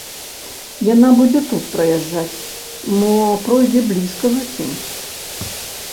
Яна будзе тут праязджаць, мо пройдзе блізка зусім.